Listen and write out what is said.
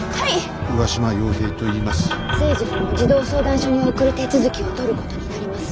征二君を児童相談所に送る手続きをとることになります。